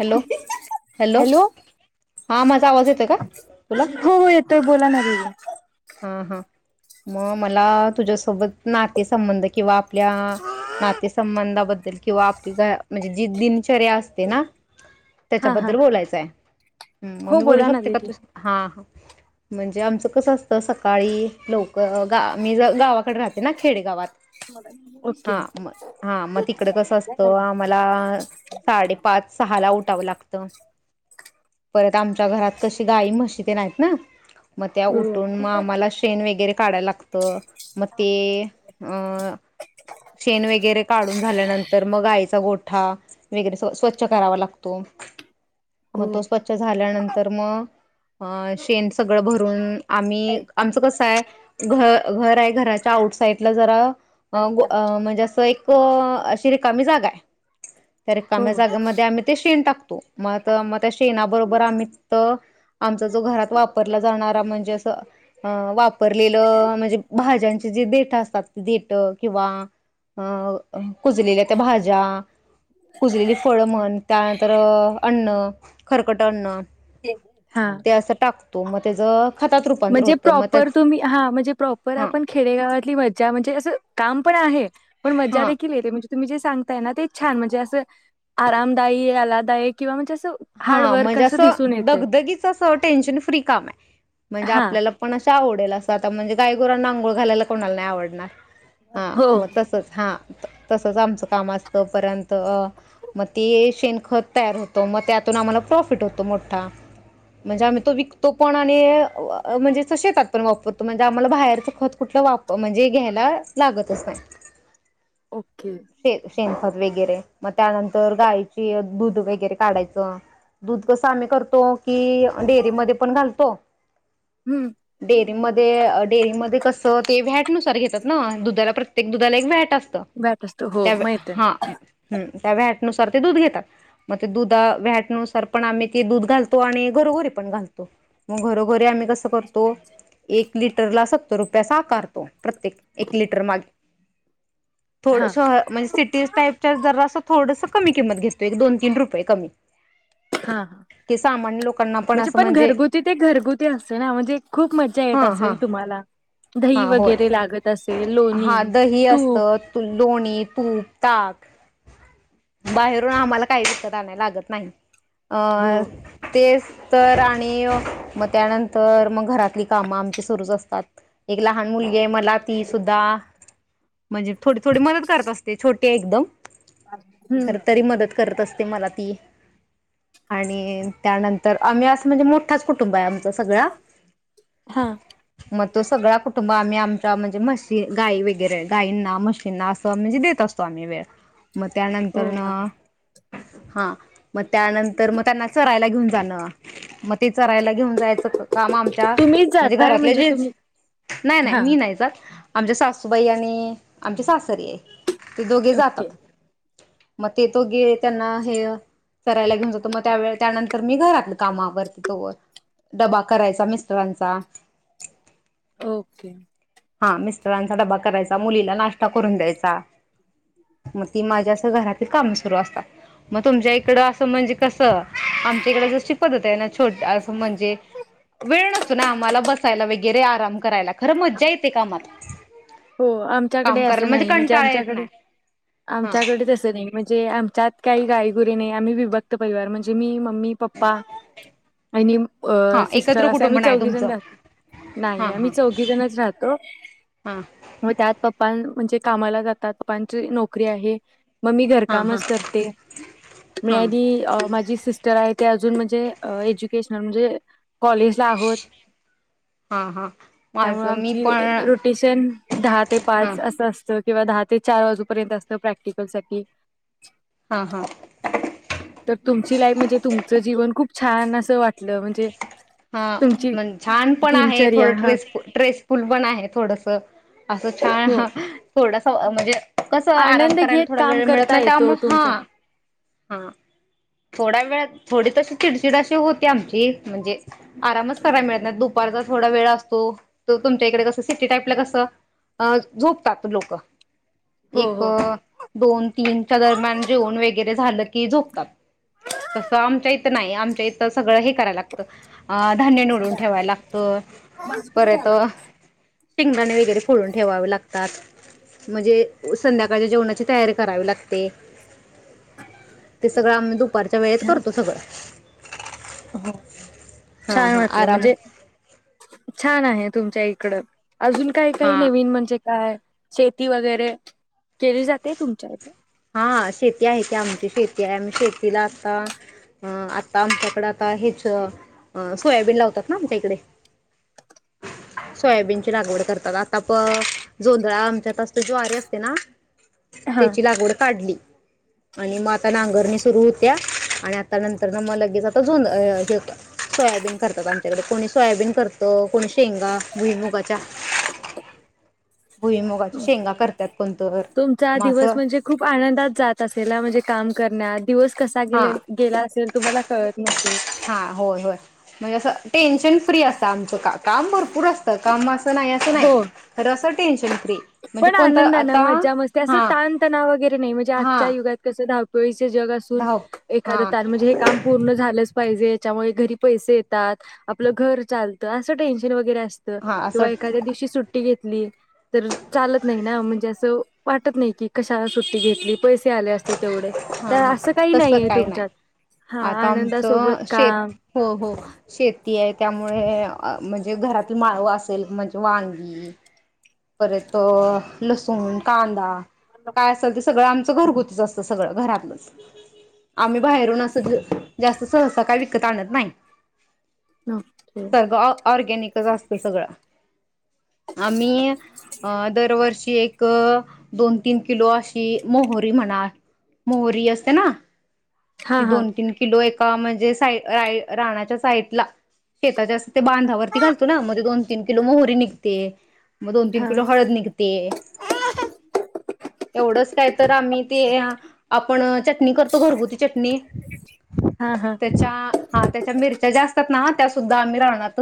Hello hello हा माझा आवाज येतोय का? तुला त बोला नां हा हां मग मला तुझ्यासोबत नातेसंबंध किंवा आपल्या नातेसंबंधाबद्दल किंवा आपली म्हणजे जी दिनचर्या असते ना हा हा त्याच्याबद्दल बोलायचंय हूं मग हो मी बोलू बोला ना शकते का दीदी तुझ हा हो म्हणजे आमचं कसं अस त सकाळी लवकर गा मी गावाकड राहते ना खेडेगावात ओके हा म हा मग तिकड कस असतं आम्हाला साडे पाच सहाला उ टावं लागतं. परत आमच्या घरात कशी गाई म्हशी तेनं आहेत ना म त्या हो उठ उटून म आम्हाला शेन वगैरे काढाय लागत म ते अअ शेण वगैरे काढून झाल्यानंतर मग गाईचा गोठ ठा वगैरे स्वच्छ करावा लागतो. म तो हो स्वच्छ झाल्यानंतर म अ शेण सगळं भरून आम्ही आमचं कसं हाय घ घर आहे घराच्या आउट साईडला जरा अ गो म्हणजे असं एक अ अशी रिकामी जागा आहे. त्या रीकाम्या जागेमध्ये आम्ही ते शेण टाक हो म आता त्या शेणाबरोबर आम्ही तिथ आमचा जो घरात वाप वापरला जाणारा म्हणजेच वाप वापरलेलं म्हणजे भाज्यांच जी देट असतात देट किंवा अअ कुजलेल्या त्या भाज्या कुजलेली फळं म्हण त्यानंतर अअ अन्न खरकट अन्न हा तो म त्याज खतात रूपांतर म्हणजे होतं मग त्या प्रॉपर तुम्ही हा म्हणजे प्रॉपर हा आपण खेडेगावातली मज्जा म्हणजे असं काम पण आहे. पण मज्जा हा देखील येते म्हंजे तुम्ही जे सांगताय ना ते छान म्हणजे असं आरामदायी आलादायक किंवा म्हणजे अस हा म्हणजे असं दगदगीच अस टेन्शन फ्री काम आहे म्हणजे हा आपल्याला पण अशी का आवडेल असं? आता म्हणजे गायगुरांना आंघोळ घालायला कोणाला नाही आवडणार? हा हो मग तसच हा तसच आमचं काम असतं पर्यंत मग ते शेणखत तयार होतं मग त्यात त्यातून आम्हाला प्रॉफिट होतो मोठा म्हणजे आम्ही तो विकतो पण आणि म्हणजे शेतात पण वापरतो म्हणजे आम्हाला बाहेरच खत कुठ वा म्हणजे घ्यायला लागतच नाही ओके शेनखत वगैरे मग त्यानंतर गायची दूध वगैरे काढायचं दूध कसं आम्ही करतो कि डेअरी मध्ये पण घालतो हम्म डेरी मध्ये डेअरी मध्ये कसं ते व्हॅटनुसार घेतात ना दुधाला प्रत्येक दुधाला एक व्हॅट असत त बॅट असतो हो त्या माहित आहे हा् त्या व्ह्याटनुसार ते दूध घेतात मग ते दुधा वट स पण आम्ही ते दूध घालतो आणि घरोघरी पण घालतो मग घरोघरी आम्ही कसं करतो एक लिटरला सत्तर रुपये आकारतो प्रत्येक एक लिटर मागे थोड हा शहम्हणजे सिटीज टाईपच्या जर अस थोड कमी किंमत घेतो एक दोनतीन रुपये कमी हा ह कि सामान्य लोकांना म्हणजे असं पण घरगुती ते घरगुती असते ना म्हणजे खूप मज्जा येत हा हा असेल. तुम्हाला हा दही, होय वगैरे लागत असेल हा लोणी, दही तूप. असतं लोणी तूप ताक बाहेरून आम्हाला [inaudible] काही विकत आनायला लागत नाही हो अ [inaudible] तेच तर आणि मग त्यानंतर मग घरातली कामं आमची सुरूच असतात एक लहान मुलगी आहे मला अ ती सुुद्धा म्हणजे थोडी थोडी मदत करत असते छोटी हाय एकदम हम्म खर तरी मदत करत असत ते मला ती आणि त्यानंतर आम्ही असं म्हणजे मोठाच कुटुंब आहे सगळा हा मग तो सगळा कुटुंब आम्ही आमच्या म्हणजे म गाई वगरै गाईंना मशींना असं म्हणजे देत असतो आम्ही वेळ मग हो त्यानंतर न वा हा मग त्यानंतर मग त्यांना चरायला घेऊन जाणं मग ते चरायला घेऊन जायचं काम आमच्या तुम्हीच म्हणजे जाताय घरातल्या जेन्स तुम्ही नाही नाही हा मी नाही जात आमच्या सासूबाई आणि आमची सासरे आहे ते दोघे जातात ओके मग ते तो गे त्यांना हे करायला घेऊन जातो मग त्यावेळेला त्यानंत तर मी घरातलं काम आवरती तोवर, डबा करायचा मिस्टरांचा ओके हा मिस्टरांचा डबा करायचा मुलीला नाश्ता करून द्यायचा, मग ती माझ्या अस घरातील काम सुरू असतात. मग तुमच्या ए इकड असं म्हणजे कसं आमच्या इकडे जशी पद्धत आहे ना छोट असं म्हणजे वेळ नसतो ना आम्हाला बसायला वगेरे आराम करायला. खरं मज्जा येते कामात. हो काम आमच्याकडे करायला असं नाही म्हणजे कंटाळा येत आमच्याकडे नाही हा आमच्याकडेच असं नाही म्हणजे आमच्यात काही गाई गुरी नाही आम्ही विभक्त परिवार म्हणजे मी म्ह म्मी पप्पा आणि हा सिस्टर एकत्र असे कुटुंब आम्ही नाही चौघ जण तुमचं राहतो. नाही, हा हा आम्ही चौघी जणच राहतो. हा त्यात पप्पा म्हणजे कामाला जातात पप्पांची नोकरी आहे. मग मी हा हा घरकामच करते मी हा आणि माझी सिस तर आहे ते अजून म्हणजे एज्युकेशनल म्हणजे कॉलेजला आहोत हा हा त्यामुळ माझं मी आमची पण रोटेशन दहा ते हा पाच असं असतं किंवा दहा ते चार वाजूपर्यंत असत प्रॅक्टिकलसाठी हा हा तर तुमची लाईफ म्हणजे तुमचं जीवन खूप छान असं वाटलं म्हणजे हा तुमची मण छान पण आहे दिनचर्या थोडं हा ट्रेसफु ट्रेसफुल पण आहे थोडस असं छान हो हं थोडासा म्हणजे कसं आराम आनंद करायला घेत थोडा काम वेळ मिळत करता नाही, येतो त्यामुळे हा तुमच्या हा थोडा वेळात थोडी तशी चिडचिड अशी होती, आमची म्हणजे आरामच करायला मिळत नाही दुपारचा थोडा वेळ असतो तर तुमच्या इकडे कस सिटी टाईपला कसं अह‌् झोपतात लोक हो एक हो दोन तीनच्या दरम्यान जेऊन वगैरे झालं की की झोपतात तसं आमच्या इथं नाही आमच्या इथ सगळं हे करायला लागत अ धान्य निवडून ठेवायला लागत, परत गदाणे वगैरे फोडून ठेवावे लागतात, म्हणजे संध्याकाळी जेवणाची तयारी करावी लागते. ते सगळं आम्ही दुपारच्या वेळेत करतो सगळं हो हो हा छान हा वाटलं आराम म्हणजे छान आहेत तुमच्या इकडं अजून काय काय हा नवीन म्हणजे काय शेती वगैरे केली जाते तुमच्या इथं? हा शेती आहे की आमची शेती आहे, आम्ही शेतीला आता अ आता आमच्याकडे आता हेच अं सोयाबीन लावतात ना आमच्या इकडे सोयाबीनची लागवड करतात, आता पर जोंधळा आमच्यात असतोय ज्वारी असते ना हा त्याची लागवड अडली आणि मग आता नांगरणी सुरू होतीया आणि आता नंतरन मग लगेच जोध अह् सोयाबीन करतात आमच्याकडं कोणी सोयाबीन कर त कोणी शेंगा भुईमुगाच्या भुईमुगाच्या शेंगा करतात कोणतर तुमचा मग दिवस असं म्हणजे खूप आनं दात जात असेल ना म्हणजे काम करण्यात दिवस कसा हां गेले गेला असेल तुम्हाला कळत नसेल हां होय होय म्हणजे असं टेन्शन फ्री असतं आमचं का काम भरपूर असतं काम असं नाही असं हो नाही खरं असं टेन्शन फ्री म्हणजे पण कोणतं आनंदान आता मजा मस्ती असं हां ताणतणाव वगैरे नाई म्हणजे आजच्या हां युगात कसं धाव [inaudible] जग असून धाव एखाद हां ताल म्हणजे हे काम पूर्ण झालंच पाहिजे याच्यामुळे घरी पैसे येतात आपलं घर चालतं असं टेन्शन वगैरे अस तं हां असं किंवा एखाद्या दिवशी सुट्ट घेत ली. तर चालत नाही ना म्हण म्हणजे अस वाटत नाही की कशा सुट्टी घेतली. पैसे आले असते तेवढे हां तर हां असं काही तसं नाहीय काय नाही तुमच्यात हा आता आनंदासोबत आमचं काम शेत हो हो शेती आहे त्यामुळे म्हणजे घरातील माळव असेल म्हणज वांगी परत तो लसूण कांदा काय असल ते सगळं आमचं घरगुतीच असतं सगळं घरातलच आम्ही बाहेरून अस ज जास्त सहसा काय विकत आणत नाही. ओके. सगंर्व ऑर्गॅनिक असत सगळं आम्ही अ दरवर्षी एक दोन तीन किलो अशी मोहोरी म्हणा मोहरी असते ना हा, ती हा. दोन तीन किलो एक म्हणजे साई रा राणाच्या साईडला शेताच्या ते बांधावरती घालतो ना मध्ये दोन तीन किलो मोहरी निघते. मग दोन तीन हा, किलो हळद निघते. एवढंच काय तर आम्ही ते आपण चटणी करतो घरगुती चटणी हा, हा. त्याच्या हा त्याच्या मिरच्या जास् ना त्यास सुद्धा आम्ही रानात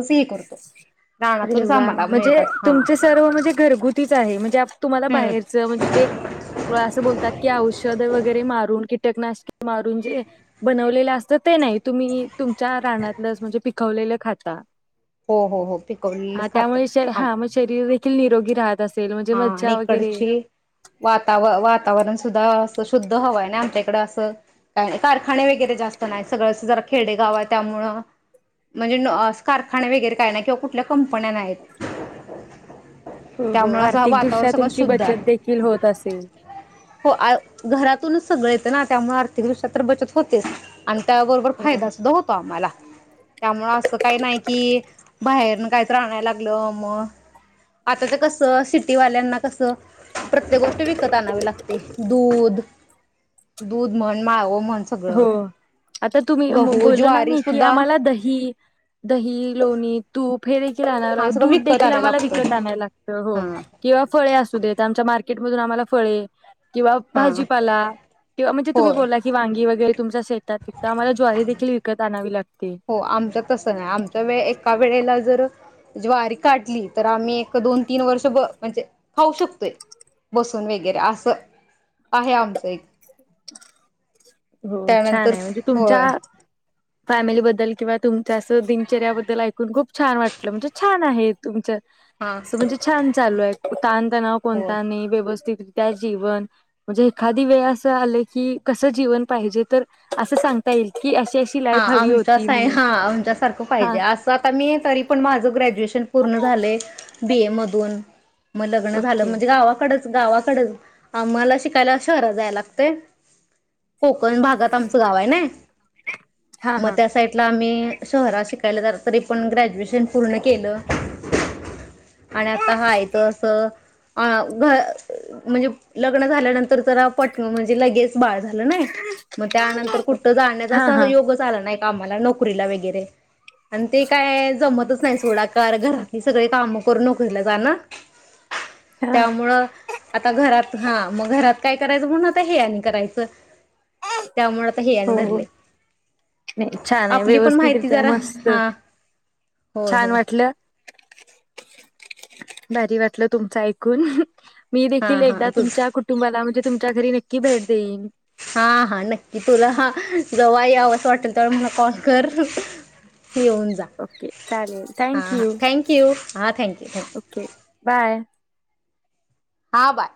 अरे वा म्हणजे मिळतात हा तुमचे सर्व म्हणजे घरगुतीच आहे म्हणजे तुम्हाला हम्म बाहेरच म्हणजे जे असं बोलतात कि औषध वगैरे मारून कीटकनाशक मारून जे बनवलेले असते. ते नाही तुम्ही तुमच्या रानातल म्हणजे पिक पिकवलेलं खाता. हो हो हो हा पिकवलंच खातो त्यामुळे शर- आम्ही. हा मग शरीर देखील निरोगी राहतं. हा आणि इकडचे वातावरण सुद्धा शुद्ध हवा आहे नाही आमच्याकडे अस कारखाने वगैरे जास्त नाहीत सगळं जरा खेडे गाव आहे त्यामुळे म्हणजे कारखाने वगैरे काय नाही किंवा कुठल्या कंपन्या नाहीत. त्यामुळे [unintelligible] असं वातावरण सगळं तुमची शुद्ध बचत आहे देखील होत असेल हो घरातून सगळं येतं ना त्यामुळे आर्थिक दृष्ट्या तर बचत होते. आणि त्याबरोबर हो फायदा सुुद्धा होतो आम्हाला त्यामुळे असं काही नाही की बाहेर काय तरी आणायला लागलं मग आता तर कसं सिटी सीटीवाल्यांना कस प्रत्येक गोष्ट विकत आणावी लागते दूध दूध म्हण माळवं हो आता तुम्ही गहू बोलल ना ज्वारी मी की सुद्धा आम्हाला दही दही लोणी तूप हेदेखील हा सगळं दूध विकत देखील आणायला आम्हाला लागतं विकत आणावं लागत हा किंवा फळे असूदेत आमच्या मार्केट मधून आम्हाला फळे किंवा हा भाजीपाला किंवा म्हणजे तुम्ही होय बोला की वांगी वगैरे वगैरे तुमच्या शेतात पिकतं आम्हाला ज्वारी देखील विकत आणावी लागते. हो आमच तसं नाही आमच्या वेळी एका वेळेला जर ज्वारी काढली तर आम्ही एक दोन तीन वर्ष म्हणजे खाऊ शकतोय बसून वगैरे असं आहे आमचं एक हो छान त्यानंतर आहे म्हणजे होय तुमच्या फॅमिलीबद्दल किंवा तुमच्या असं दिनचर्याबद्दल ऐकून खूप छान वाटलं म्हणजे छान आहे तुमचं हा असं म्हणजे छान चालू आहे ताण तणाव होय कोणता नाही व्यवस्थित जीवन म्हणजे एखादी वेळ की कस जीवन पाहिजे तर असं सांगता येईल. की अशी अशी हा लाईफ हवी आमच्या होती आहे म्हणून हा आमच्या सारखं हा पाहिजे असं आता मी तरी पण माझं ग्रॅज्युएशन पूर्ण झाले बीए मधून मग लग्न झालं ओके म्हणजे गावाकडे गावाकडे आम्हाला शिकायला शहरात जायला लागते. कोकण भागात आमचं गाव आहे ना. हा मग हा त्या साईड ला आम्ही शहरात शिकायला जात होते तरी पण ग्रॅज्युएशन पूर्ण केलं आणि आता हाय अस म्हणजे लग्न झाले नंतर म्हणजे लगेच बाळ झाले नाही मग त्यानंतर कुठं हा जाण्याचा हा योग आला नाही कामाला नोकरीला वगैरे आणि ते काय जमतच नाही सोडा कारण घरातले सगळे कामं करून नोकरीला जाण हा त्यामुळं आता घरात हा मग घरात काय करायचं? म्हणून आता हे आणि करायचं त्यामुळे आता हे आणि हो हो धरलेयं नाही छान आहे व्यवस्थितरित्या जरा मस्त हा होय छान होय वाटलं [inaudible] भारी वाटलं तुमचं ऐकून [unintelligible] मी हा देखील हा एकदा तुझ तुमच्या कुटुंबाला म्हणजे तुमच्या घरी नक्की भेट देईन. हा हा नक्की तुला हा जवा यावंस वाटेल तर मला कॉल कर [unintelligible] येऊन जा ओके चालेल हां थँक हां यू थँक्यू हा थँक्यू थँकू ओके बाय हा बाय